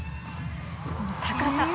この高さ。